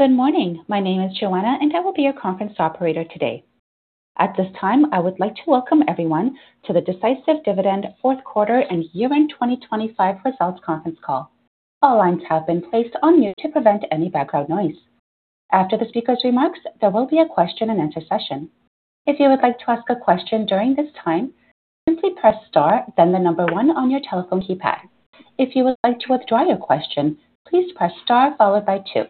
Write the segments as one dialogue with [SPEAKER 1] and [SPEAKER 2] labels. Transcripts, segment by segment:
[SPEAKER 1] Good morning. My name is Joanna, and I will be your conference operator today. At this time, I would like to welcome everyone to the Decisive Dividend fourth quarter and year-end 2025 results conference call. All lines have been placed on mute to prevent any background noise. After the speaker's remarks, there will be a question-and-answer session. If you would like to ask a question during this time, simply press star, then the number one on your telephone keypad. If you would like to withdraw your question, please press star followed by two.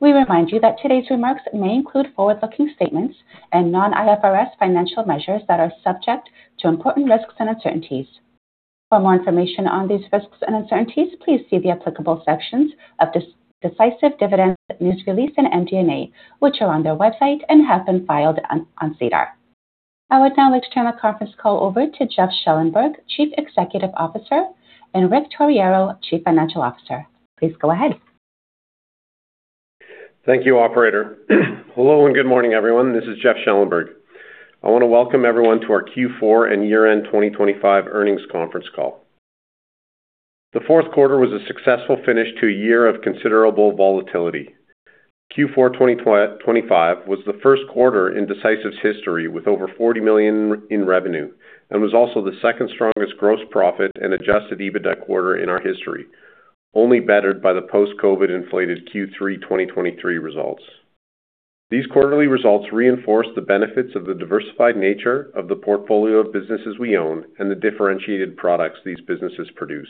[SPEAKER 1] We remind you that today's remarks may include forward-looking statements and non-IFRS financial measures that are subject to important risks and uncertainties. For more information on these risks and uncertainties, please see the applicable sections of Decisive Dividend news release in MD&A, which are on their website and have been filed on SEDAR. I would now like to turn the conference call over to Jeff Schellenberg, Chief Executive Officer, and Rick Torriero, Chief Financial Officer. Please go ahead.
[SPEAKER 2] Thank you, operator. Hello and good morning, everyone. This is Jeff Schellenberg. I want to welcome everyone to our Q4 and year-end 2025 earnings conference call. The fourth quarter was a successful finish to a year of considerable volatility. Q4 2025 was the first quarter in Decisive's history with over 40 million in revenue and was also the second strongest gross profit and Adjusted EBITDA quarter in our history, only bettered by the post-COVID inflated Q3 2023 results. These quarterly results reinforce the benefits of the diversified nature of the portfolio of businesses we own and the differentiated products these businesses produce.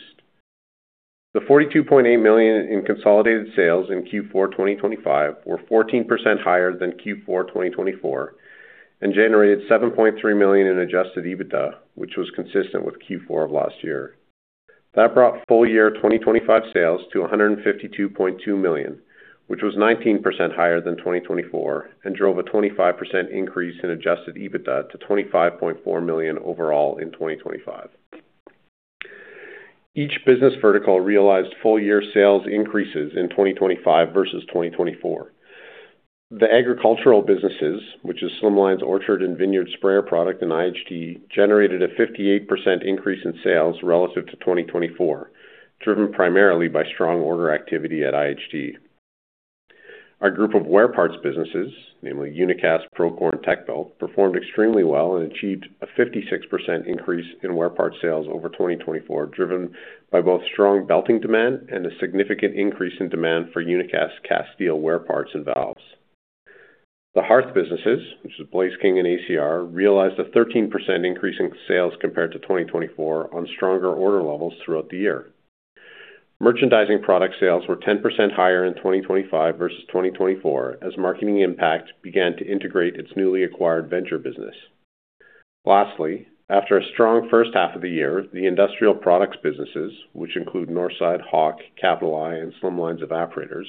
[SPEAKER 2] The 42.8 million in consolidated sales in Q4 2025 were 14% higher than Q4 2024 and generated 7.3 million in Adjusted EBITDA, which was consistent with Q4 of last year. That brought full-year 2025 sales to 152.2 million, which was 19% higher than 2024 and drove a 25% increase in Adjusted EBITDA to 25.4 million overall in 2025. Each business vertical realized full-year sales increases in 2025 versus 2024. The agricultural businesses, which is Slimline's Orchard and Vineyard Sprayer product and IHT, generated a 58% increase in sales relative to 2024, driven primarily by strong order activity at IHT. Our group of wear parts businesses, namely Unicast, Procore, Techbelt, performed extremely well and achieved a 56% increase in wear part sales over 2024, driven by both strong belting demand and a significant increase in demand for Unicast cast steel wear parts and valves. The hearth businesses, which is Blaze King and ACR, realized a 13% increase in sales compared to 2024 on stronger order levels throughout the year. Merchandising product sales were 10% higher in 2025 versus 2024 as Marketing Impact began to integrate its newly acquired Venture business. Lastly, after a strong first half of the year, the industrial products businesses, which include Northside, Hawk, Capital I, and Slimline Evaporators,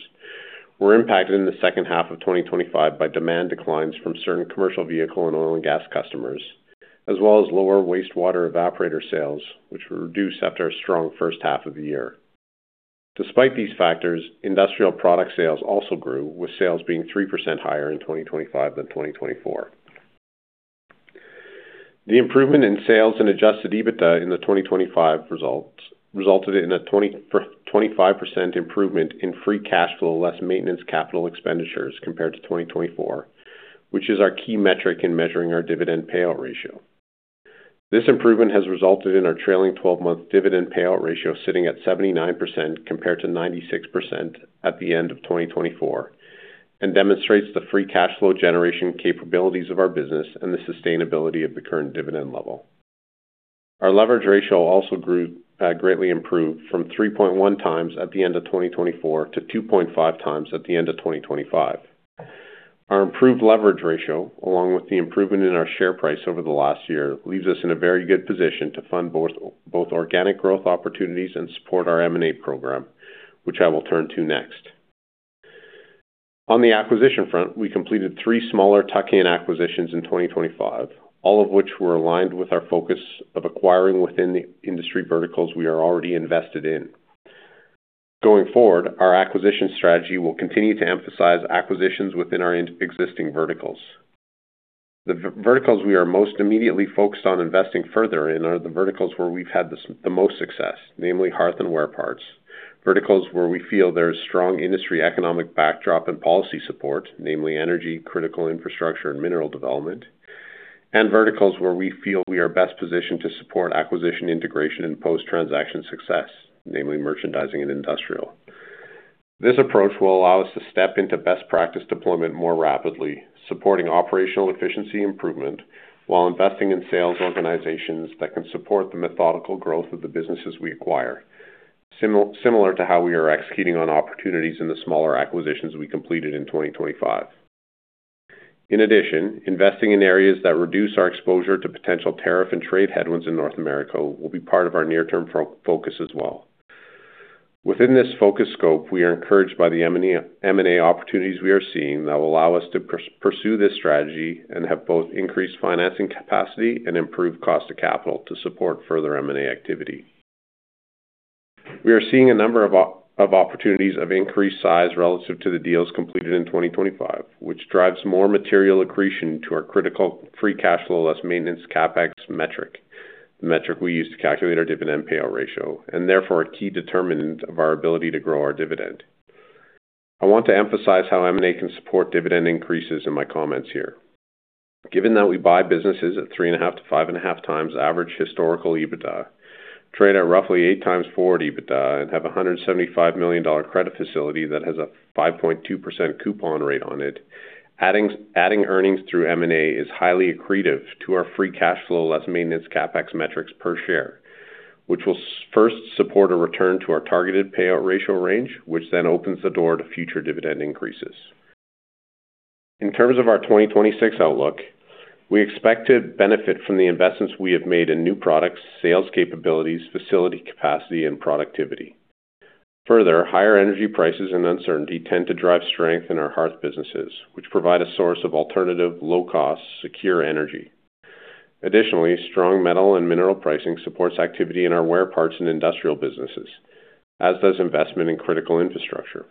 [SPEAKER 2] were impacted in the second half of 2025 by demand declines from certain commercial vehicle and oil and gas customers, as well as lower wastewater evaporator sales, which were reduced after a strong first half of the year. Despite these factors, industrial product sales also grew, with sales being 3% higher in 2025 than 2024. The improvement in sales and Adjusted EBITDA in the 2025 results resulted in a 25% improvement in Free Cash Flow, less Maintenance CapEx compared to 2024, which is our key metric in measuring our Dividend Payout Ratio. This improvement has resulted in our trailing 12-month Dividend Payout Ratio sitting at 79% compared to 96% at the end of 2024 and demonstrates the Free Cash Flow generation capabilities of our business and the sustainability of the current dividend level. Our Leverage Ratio also greatly improved from 3.1x at the end of 2024 to 2.5x at the end of 2025. Our improved leverage ratio, along with the improvement in our share price over the last year, leaves us in a very good position to fund both organic growth opportunities and support our M&A program, which I will turn to next. On the acquisition front, we completed three smaller tuck-in acquisitions in 2025, all of which were aligned with our focus of acquiring within the industry verticals we are already invested in. Going forward, our acquisition strategy will continue to emphasize acquisitions within our existing verticals. The verticals we are most immediately focused on investing further in are the verticals where we've had the most success, namely hearth and wear parts, verticals where we feel there is strong industry economic backdrop and policy support, namely energy, critical infrastructure and mineral development, and verticals where we feel we are best positioned to support acquisition integration and post-transaction success, namely merchandising and industrial. This approach will allow us to step into best practice deployment more rapidly, supporting operational efficiency improvement while investing in sales organizations that can support the methodical growth of the businesses we acquire. Similar to how we are executing on opportunities in the smaller acquisitions we completed in 2025. In addition, investing in areas that reduce our exposure to potential tariff and trade headwinds in North America will be part of our near-term focus as well. Within this focus scope, we are encouraged by the M&A opportunities we are seeing that will allow us to pursue this strategy and have both increased financing capacity and improved cost of capital to support further M&A activity. We are seeing a number of opportunities of increased size relative to the deals completed in 2025, which drives more material accretion to our critical Free Cash Flow less Maintenance CapEx metric we use to calculate our dividend payout ratio and therefore a key determinant of our ability to grow our dividend. I want to emphasize how M&A can support dividend increases in my comments here. Given that we buy businesses at 3.5-5.5x average historical EBITDA, trade at roughly 8x forward EBITDA, and have a 175 million dollar credit facility that has a 5.2% coupon rate on it, adding earnings through M&A is highly accretive to our free cash flow, less maintenance CapEx metrics per share. Which will first support a return to our targeted payout ratio range, which then opens the door to future dividend increases. In terms of our 2026 outlook, we expect to benefit from the investments we have made in new products, sales capabilities, facility capacity, and productivity. Further, higher energy prices and uncertainty tend to drive strength in our hearth businesses, which provide a source of alternative, low cost, secure energy. Additionally, strong metal and mineral pricing supports activity in our wear parts and industrial businesses, as does investment in critical infrastructure.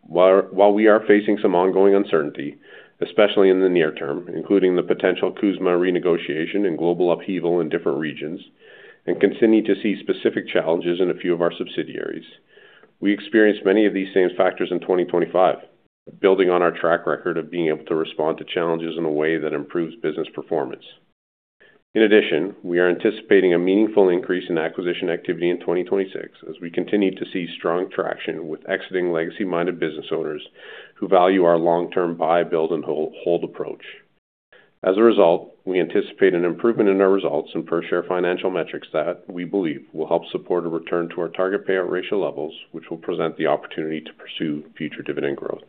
[SPEAKER 2] While we are facing some ongoing uncertainty, especially in the near term, including the potential CUSMA renegotiation and global upheaval in different regions, and continue to see specific challenges in a few of our subsidiaries. We experienced many of these same factors in 2025, building on our track record of being able to respond to challenges in a way that improves business performance. In addition, we are anticipating a meaningful increase in acquisition activity in 2026 as we continue to see strong traction with exiting legacy-minded business owners who value our long-term buy, build, and hold approach. As a result, we anticipate an improvement in our results and per share financial metrics that we believe will help support a return to our target payout ratio levels, which will present the opportunity to pursue future dividend growth.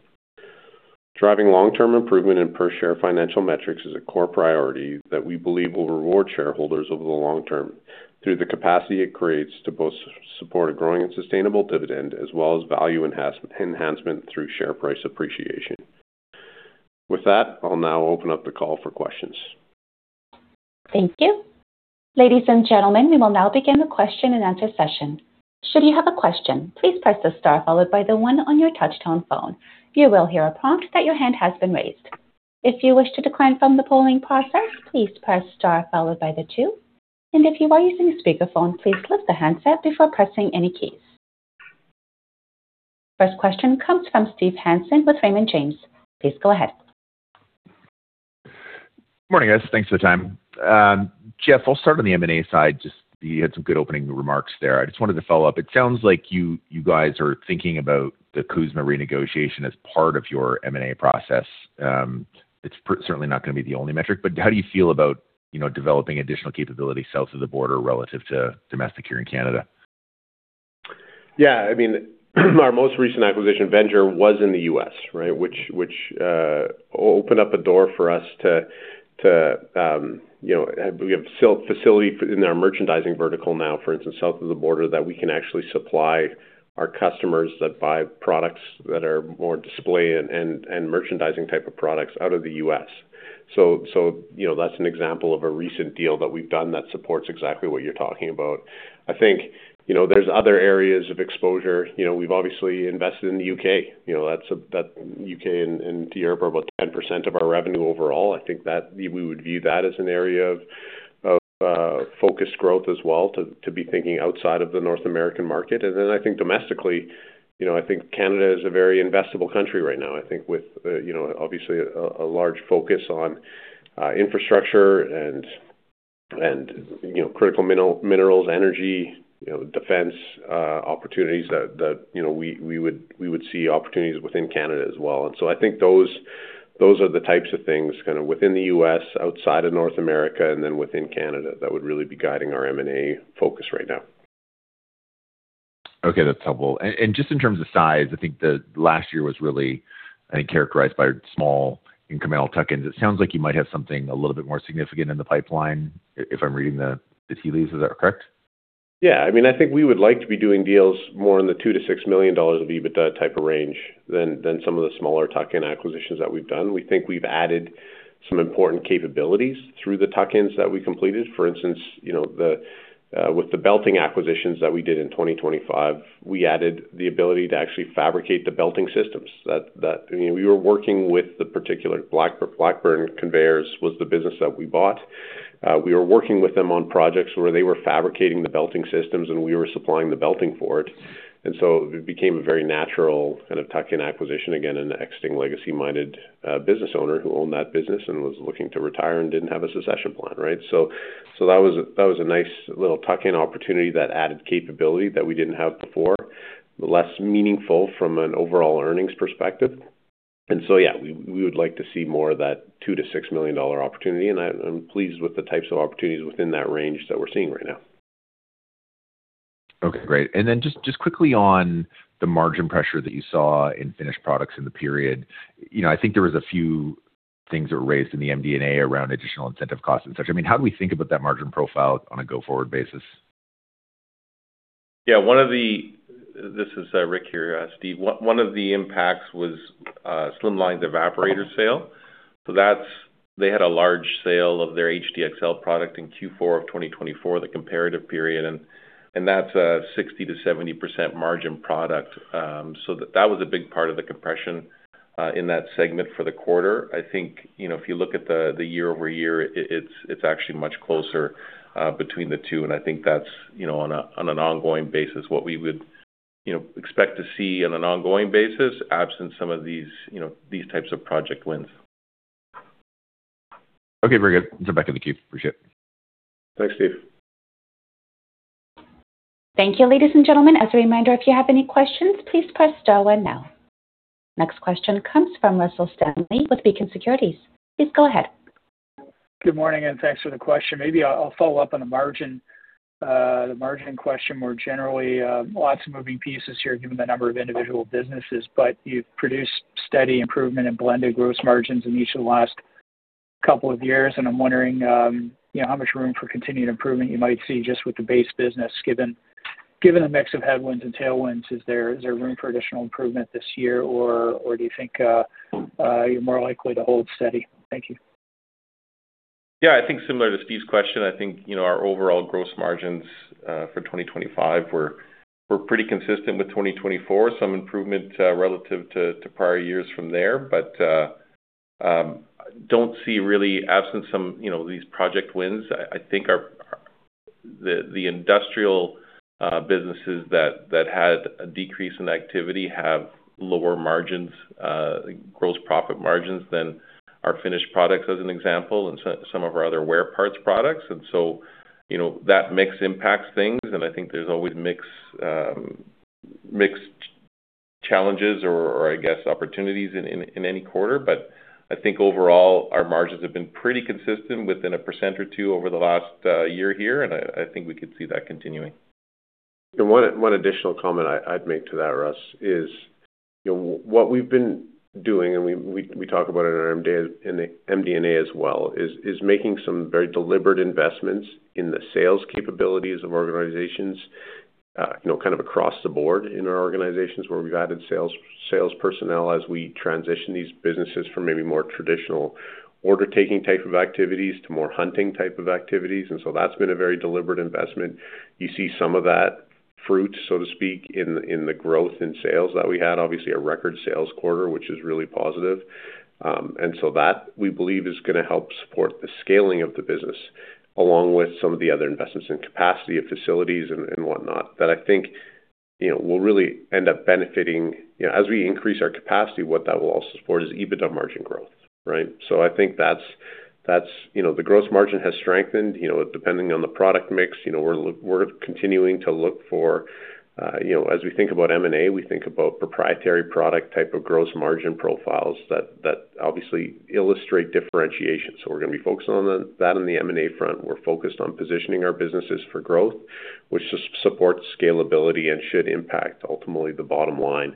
[SPEAKER 2] Driving long-term improvement in per share financial metrics is a core priority that we believe will reward shareholders over the long term through the capacity it creates to both support a growing and sustainable dividend, as well as value enhancement through share price appreciation. With that, I'll now open up the call for questions.
[SPEAKER 1] Thank you. Ladies and gentlemen, we will now begin the question and answer session. Should you have a question, please press the star followed by the one on your touchtone phone. You will hear a prompt that your hand has been raised. If you wish to decline from the polling process, please press star followed by the two. If you are using a speakerphone, please lift the handset before pressing any keys. First question comes from Steve Hansen with Raymond James. Please go ahead.
[SPEAKER 3] Morning, guys. Thanks for the time. Jeff, I'll start on the M&A side. Just you had some good opening remarks there. I just wanted to follow up. It sounds like you guys are thinking about the CUSMA renegotiation as part of your M&A process. It's certainly not going to be the only metric, but how do you feel about, you know, developing additional capability south of the border relative to domestic here in Canada?
[SPEAKER 2] Yeah, I mean, our most recent acquisition Venture was in the U.S., right? Which opened up a door for us to you know we have facility in our merchandising vertical now, for instance, south of the border that we can actually supply our customers that buy products that are more display and merchandising type of products out of the U.S. So you know that's an example of a recent deal that we've done that supports exactly what you're talking about. I think you know there's other areas of exposure. You know we've obviously invested in the U.K. You know that's that U.K. and Europe are about 10% of our revenue overall. I think that we would view that as an area of focused growth as well to be thinking outside of the North American market. I think domestically, you know, I think Canada is a very investable country right now. I think with you know obviously a large focus on infrastructure and you know critical minerals, energy, you know, defense opportunities that you know we would see opportunities within Canada as well. I think those are the types of things kind of within the U.S., outside of North America, and then within Canada that would really be guiding our M&A focus right now.
[SPEAKER 3] Okay. That's helpful. Just in terms of size, I think the last year was really, I think, characterized by small incremental tuck-ins. It sounds like you might have something a little bit more significant in the pipeline if I'm reading the tea leaves. Is that correct?
[SPEAKER 2] Yeah. I mean, I think we would like to be doing deals more in the 2-6 million dollars of EBITDA type of range than some of the smaller tuck-in acquisitions that we've done. We think we've added some important capabilities through the tuck-ins that we completed. For instance, you know, with the belting acquisitions that we did in 2025, we added the ability to actually fabricate the belting systems. That. I mean, we were working with the particular Blackburn Conveyors was the business that we bought. We were working with them on projects where they were fabricating the belting systems, and we were supplying the belting for it. It became a very natural kind of tuck-in acquisition, again, an exiting legacy-minded business owner who owned that business and was looking to retire and didn't have a succession plan, right? That was a nice little tuck-in opportunity that added capability that we didn't have before. Less meaningful from an overall earnings perspective. Yeah, we would like to see more of that 2-6 million dollar opportunity, and I'm pleased with the types of opportunities within that range that we're seeing right now.
[SPEAKER 3] Okay, great. Just quickly on the margin pressure that you saw in finished products in the period. You know, I think there was a few things that were raised in the MD&A around additional incentive costs and such. I mean, how do we think about that margin profile on a go-forward basis?
[SPEAKER 4] This is Rick here, Steve. One of the impacts was Slimline's evaporator sale. That's. They had a large sale of their HDXL product in Q4 of 2024, the comparative period. That's a 60%-70% margin product. That was a big part of the compression in that segment for the quarter. I think, you know, if you look at the year-over-year, it's actually much closer between the two, and I think that's, you know, on an ongoing basis, what we would, you know, expect to see on an ongoing basis, absent some of these, you know, these types of project wins. Okay. Very good. Back in the queue. Appreciate it. Thanks, Steve.
[SPEAKER 1] Thank you, ladies and gentlemen. As a reminder, if you have any questions, please press star one now. Next question comes from Russell Stanley with Beacon Securities. Please go ahead.
[SPEAKER 5] Good morning, and thanks for the question. Maybe I'll follow up on the margin, the margin question more generally. Lots of moving pieces here, given the number of individual businesses, but you've produced steady improvement in blended gross margins in each of the last couple of years. I'm wondering, you know, how much room for continued improvement you might see just with the base business, given the mix of headwinds and tailwinds, is there room for additional improvement this year, or do you think you're more likely to hold steady? Thank you.
[SPEAKER 2] Yeah. I think similar to Steve's question, I think you know our overall gross margins for 2025 were pretty consistent with 2024. Some improvement relative to prior years from there. I don't see really absent some you know these project wins. I think our industrial businesses that had a decrease in activity have lower margins gross profit margins than our finished products, as an example, and some of our other wear parts products. You know that mix impacts things, and I think there's always mixed challenges or I guess opportunities in any quarter. I think overall our margins have been pretty consistent within percent or two over the last year here, and I think we could see that continuing. One additional comment I'd make to that, Russ, is, you know, what we've been doing, and we talk about it in the MD&A as well, is making some very deliberate investments in the sales capabilities of organizations, you know, kind of across the board in our organizations where we've added sales personnel as we transition these businesses from maybe more traditional order-taking type of activities to more hunting type of activities. That's been a very deliberate investment. You see some of that fruit, so to speak, in the growth in sales that we had. Obviously a record sales quarter, which is really positive. That we believe is gonna help support the scaling of the business, along with some of the other investments in capacity of facilities and whatnot. That I think, you know, will really end up benefiting, you know, as we increase our capacity, what that will also support is EBITDA margin growth, right? I think that's, you know, the gross margin has strengthened. You know, depending on the product mix, you know, we're continuing to look for, you know, as we think about M&A, we think about proprietary product type of gross margin profiles that obviously illustrate differentiation. We're gonna be focused on that in the M&A front. We're focused on positioning our businesses for growth, which supports scalability and should impact ultimately the bottom line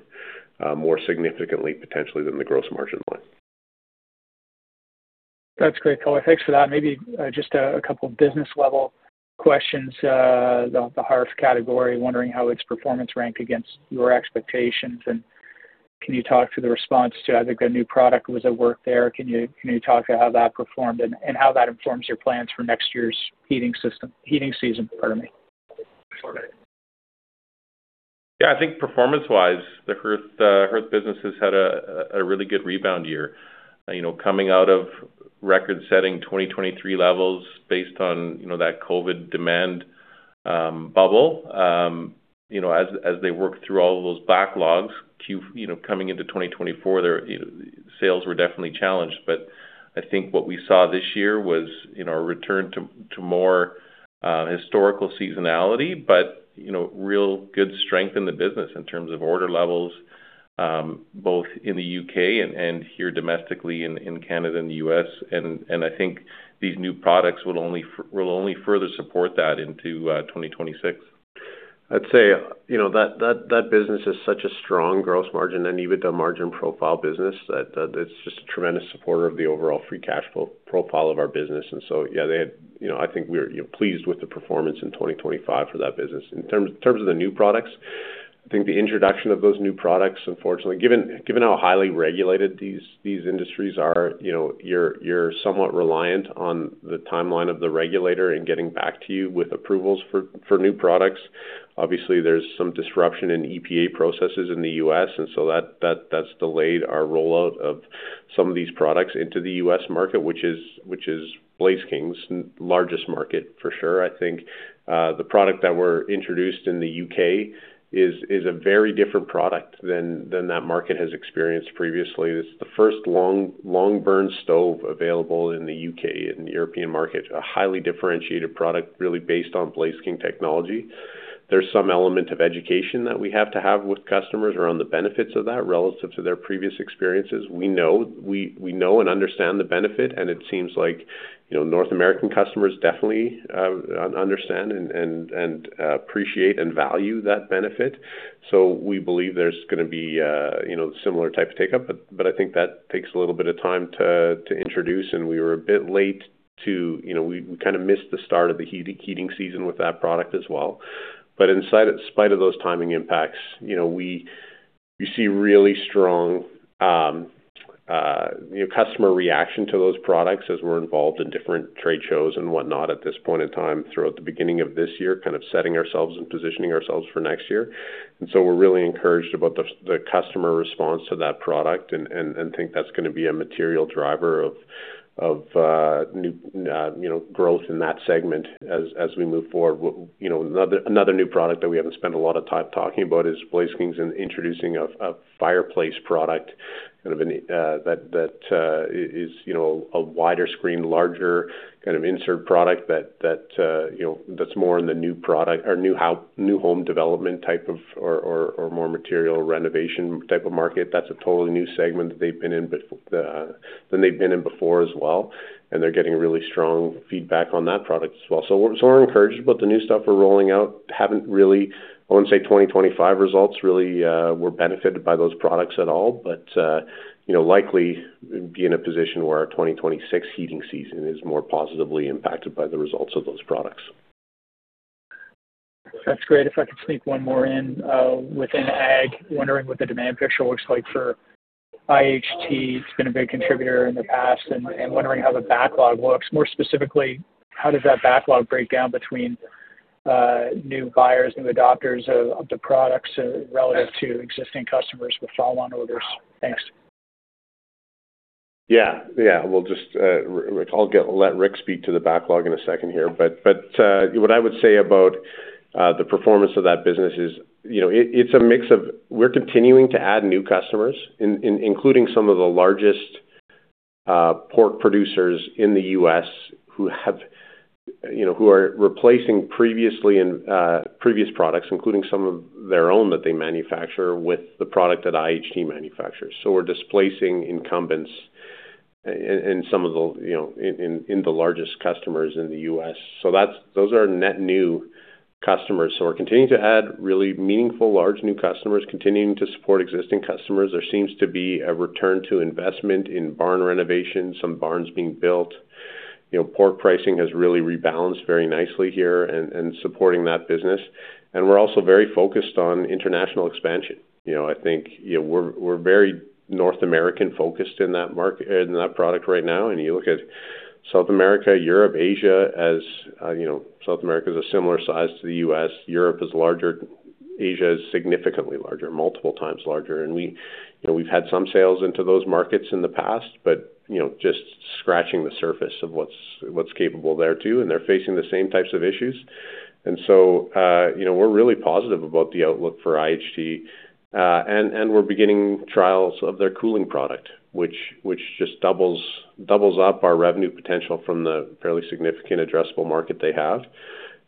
[SPEAKER 2] more significantly potentially than the gross margin line.
[SPEAKER 5] That's great color. Thanks for that. Maybe just a couple business level questions. The hearth category, wondering how its performance ranked against your expectations, and can you talk to the response to, I think a new product was at work there. Can you talk to how that performed and how that informs your plans for next year's heating system? Heating season, pardon me.
[SPEAKER 2] Yeah. I think performance-wise, the hearth business has had a really good rebound year. You know, coming out of record-setting 2023 levels based on, you know, that COVID demand bubble. You know, as they work through all those backlogs, you know, coming into 2024, their sales were definitely challenged. I think what we saw this year was, you know, a return to more historical seasonality, but you know, real good strength in the business in terms of order levels, both in the U.K. and here domestically in Canada and the U.S. I think these new products will only further support that into 2026. I'd say, you know, that business is such a strong gross margin and EBITDA margin profile business that it's just a tremendous supporter of the overall free cash flow profile of our business. You know, I think we're pleased with the performance in 2025 for that business. In terms of the new products, I think the introduction of those new products, unfortunately, given how highly regulated these industries are, you know, you're somewhat reliant on the timeline of the regulator in getting back to you with approvals for new products. Obviously, there's some disruption in EPA processes in the U.S., and so that's delayed our rollout of some of these products into the U.S. market, which is Blaze King's largest market for sure. I think the product that were introduced in the U.K. is a very different product than that market has experienced previously. It's the first long burn stove available in the U.K., in the European market, a highly differentiated product really based on Blaze King technology. There's some element of education that we have to have with customers around the benefits of that relative to their previous experiences. We know and understand the benefit, and it seems like you know, North American customers definitely understand and appreciate and value that benefit. We believe there's gonna be you know, similar type of take-up, but I think that takes a little bit of time to introduce, and we were a bit late to. You know, we kinda missed the start of the heating season with that product as well. In spite of those timing impacts, you know, we see really strong, you know, customer reaction to those products as we're involved in different trade shows and whatnot at this point in time throughout the beginning of this year, kind of setting ourselves and positioning ourselves for next year. We're really encouraged about the customer response to that product and think that's gonna be a material driver of, you know, growth in that segment as we move forward. You know, another new product that we haven't spent a lot of time talking about is Blaze King is introducing a fireplace product kind of in that is, you know, a wider screen, larger kind of insert product that, you know, that's more in the new home development type of or more material renovation type of market. That's a totally new segment that they've been in than they've been in before as well, and they're getting really strong feedback on that product as well. We're encouraged about the new stuff we're rolling out. Haven't really. I wouldn't say 2025 results really were benefited by those products at all. you know, likely be in a position where our 2026 heating season is more positively impacted by the results of those products.
[SPEAKER 5] That's great. If I could sneak one more in, within ag, wondering what the demand picture looks like for IHT. It's been a big contributor in the past and wondering how the backlog looks. More specifically, how does that backlog break down between new buyers, new adopters of the products relative to existing customers with follow-on orders? Thanks.
[SPEAKER 2] I'll let Rick speak to the backlog in a second here. What I would say about the performance of that business is, you know, it's a mix of we're continuing to add new customers including some of the largest pork producers in the U.S. who, you know, are replacing previous products, including some of their own that they manufacture with the product that IHT manufactures. We're displacing incumbents in some of the largest customers in the U.S. Those are net new customers. We're continuing to add really meaningful large new customers, continuing to support existing customers. There seems to be a return to investment in barn renovations, some barns being built. You know, pork pricing has really rebalanced very nicely here and supporting that business. We're also very focused on international expansion. You know, I think, you know, we're very North American focused in that product right now. You look at South America, Europe, Asia as, you know, South America is a similar size to the U.S., Europe is larger. Asia is significantly larger, multiple times larger. We, you know, we've had some sales into those markets in the past, but, you know, just scratching the surface of what's capable there too, and they're facing the same types of issues. You know, we're really positive about the outlook for IHT. We're beginning trials of their cooling product, which just doubles up our revenue potential from the fairly significant addressable market they have.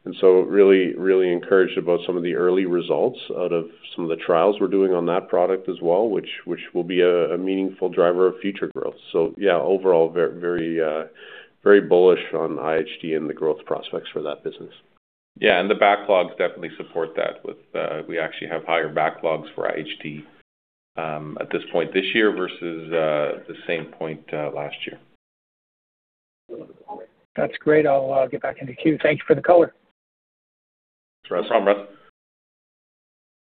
[SPEAKER 2] Really encouraged about some of the early results out of some of the trials we're doing on that product as well, which will be a meaningful driver of future growth. Yeah, overall, very bullish on IHT and the growth prospects for that business.
[SPEAKER 4] Yeah, the backlogs definitely support that with we actually have higher backlogs for IHT at this point this year versus the same point last year.
[SPEAKER 5] That's great. I'll get back in the queue. Thank you for the color.
[SPEAKER 2] No problem.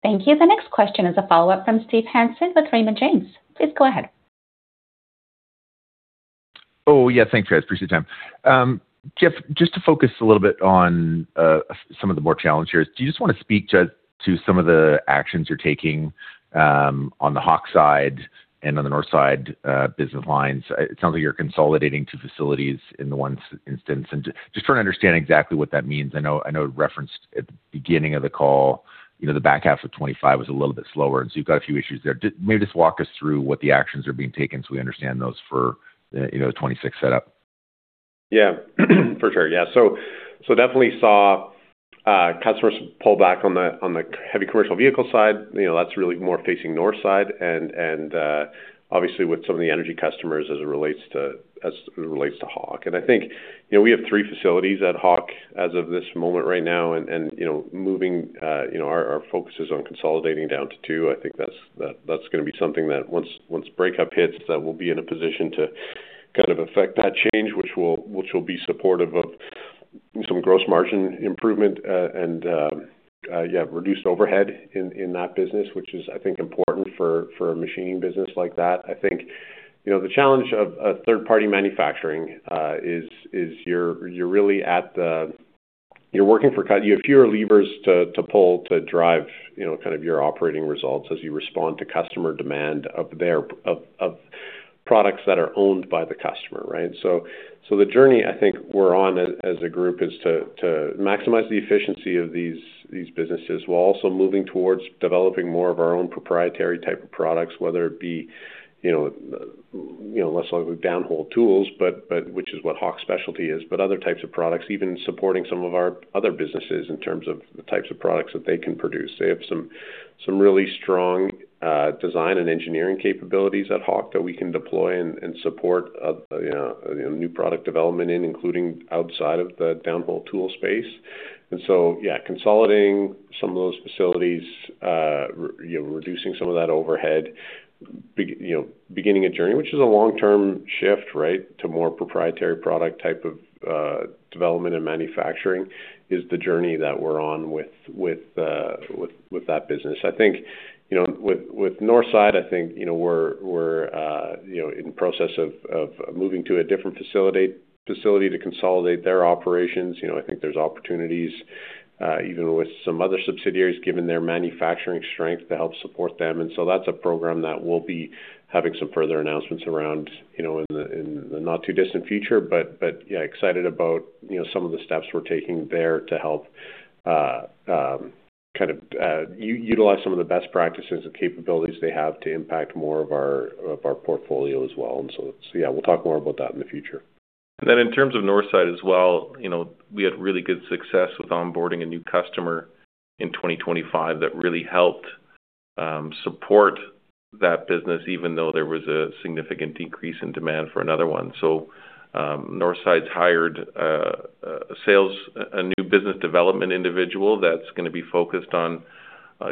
[SPEAKER 1] Thank you. The next question is a follow-up from Steve Hansen with Raymond James. Please go ahead.
[SPEAKER 3] Oh, yeah. Thanks, guys. Appreciate the time. Jeff, just to focus a little bit on some of the more challenges, do you just wanna speak to some of the actions you're taking on the Hawk side and on the Northside business lines? It sounds like you're consolidating two facilities in the one instance. Just trying to understand exactly what that means. I know it referenced at the beginning of the call, you know, the back half of 2025 was a little bit slower, and so you've got a few issues there. Maybe just walk us through what the actions are being taken so we understand those for, you know, the 2026 setup.
[SPEAKER 2] Yeah. For sure. Yeah. Definitely saw customers pull back on the heavy commercial vehicle side. You know, that's really more facing Northside and obviously with some of the energy customers as it relates to Hawk. I think, you know, we have three facilities at Hawk as of this moment right now. You know, our focus is on consolidating down to two. I think that's gonna be something that once breakup hits, we'll be in a position to kind of affect that change, which will be supportive of some gross margin improvement and reduced overhead in that business, which is, I think, important for a machining business like that. I think, you know, the challenge of third-party manufacturing is you have fewer levers to pull to drive, you know, kind of your operating results as you respond to customer demand of their products that are owned by the customer, right? The journey I think we're on as a group is to maximize the efficiency of these businesses. We're also moving towards developing more of our own proprietary type of products, whether it be, you know, you know, less of downhole tools, but which is what Hawk Specialty is, but other types of products, even supporting some of our other businesses in terms of the types of products that they can produce. They have some really strong design and engineering capabilities at Hawk that we can deploy and support for new product development, including outside of the downhole tools space. Yeah, consolidating some of those facilities, you know, reducing some of that overhead, you know, beginning a journey which is a long-term shift, right? To more proprietary product type of development and manufacturing, is the journey that we're on with that business. I think, you know, with Northside, I think, you know, we're in the process of moving to a different facility to consolidate their operations. You know, I think there's opportunities even with some other subsidiaries, given their manufacturing strength to help support them. That's a program that we'll be having some further announcements around, you know, in the not too distant future. But yeah, excited about, you know, some of the steps we're taking there to help kind of utilize some of the best practices and capabilities they have to impact more of our portfolio as well. Yeah, we'll talk more about that in the future. In terms of Northside as well, you know, we had really good success with onboarding a new customer in 2025 that really helped support that business, even though there was a significant decrease in demand for another one. Northside's hired a new business development individual that's gonna be focused on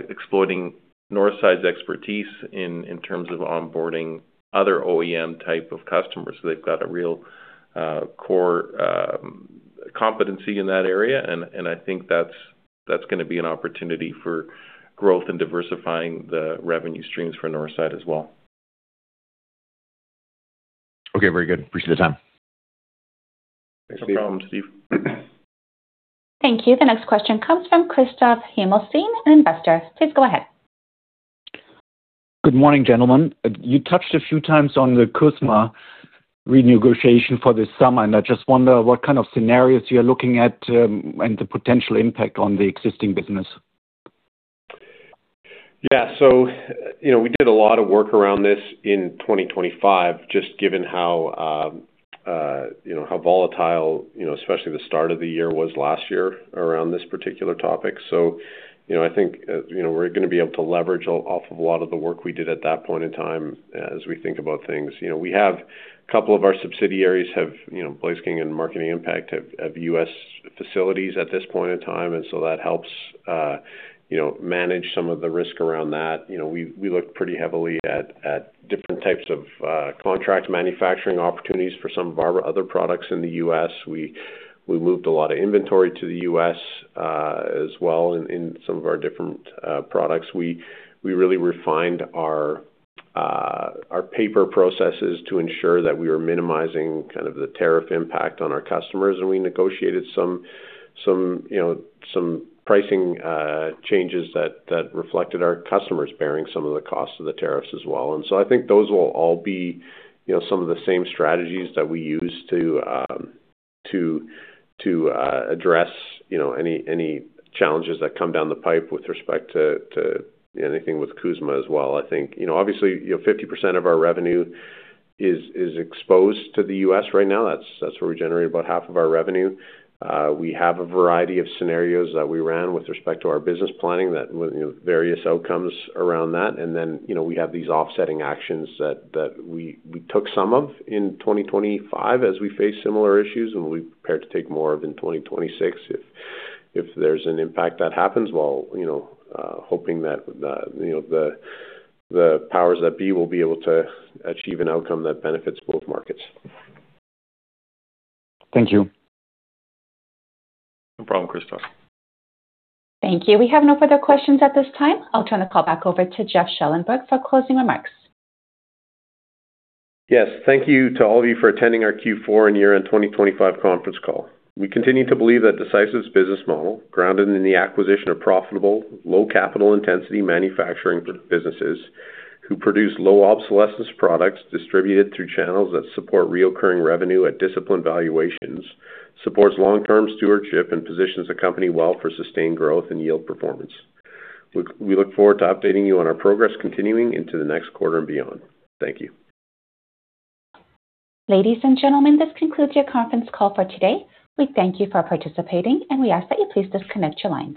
[SPEAKER 2] exploiting Northside's expertise in terms of onboarding other OEM type of customers. They've got a real core competency in that area. I think that's gonna be an opportunity for growth and diversifying the revenue streams for Northside as well.
[SPEAKER 3] Okay, very good. Appreciate the time.
[SPEAKER 2] No problem, Steve.
[SPEAKER 1] Thank you. The next question comes from Christoph Mosing, Investor. Please go ahead.
[SPEAKER 6] Good morning, gentlemen. You touched a few times on the CUSMA renegotiation for this summer, and I just wonder what kind of scenarios you're looking at, and the potential impact on the existing business.
[SPEAKER 2] Yeah. You know, we did a lot of work around this in 2025, just given how, you know, how volatile, you know, especially the start of the year was last year around this particular topic. You know, I think, you know, we're gonna be able to leverage off of a lot of the work we did at that point in time as we think about things. You know, we have a couple of our subsidiaries have, you know, Blaze King and Marketing Impact have U.S. facilities at this point in time, and so that helps, you know, manage some of the risk around that. You know, we look pretty heavily at different types of contract manufacturing opportunities for some of our other products in the U.S. We moved a lot of inventory to the U.S., as well in some of our different products. We really refined our paper processes to ensure that we are minimizing kind of the tariff impact on our customers. We negotiated some you know some pricing changes that reflected our customers bearing some of the costs of the tariffs as well. I think those will all be you know some of the same strategies that we use to address you know any challenges that come down the pipe with respect to anything with CUSMA as well. I think you know obviously you know 50% of our revenue is exposed to the U.S. right now. That's where we generate about half of our revenue. We have a variety of scenarios that we ran with respect to our business planning that, you know, various outcomes around that. Then, you know, we have these offsetting actions that we took some of in 2025 as we face similar issues, and we prepared to take more of in 2026. If there's an impact that happens, while, you know, hoping that the powers that be will be able to achieve an outcome that benefits both markets.
[SPEAKER 6] Thank you.
[SPEAKER 2] No problem, Christoph.
[SPEAKER 1] Thank you. We have no further questions at this time. I'll turn the call back over to Jeff Schellenberg for closing remarks.
[SPEAKER 2] Yes, thank you to all of you for attending our Q4 and year-end 2025 conference call. We continue to believe that Decisive's business model, grounded in the acquisition of profitable, low capital intensity manufacturing businesses who produce low obsolescence products distributed through channels that support recurring revenue at disciplined valuations, supports long-term stewardship and positions the company well for sustained growth and yield performance. We look forward to updating you on our progress continuing into the next quarter and beyond. Thank you.
[SPEAKER 1] Ladies and gentlemen, this concludes your conference call for today. We thank you for participating, and we ask that you please disconnect your lines.